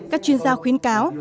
các chuyên gia khuyến cáo